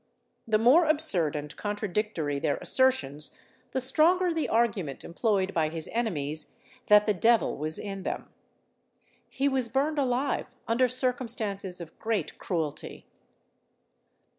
The more absurd and contradictory their assertions, the stronger the argument employed by his enemies that the devil was in them. He was burned alive, under circumstances of great cruelty.